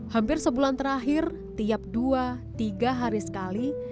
hampir sebulan terakhir tiap dua tiga hari sekali